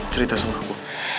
cerita sama aku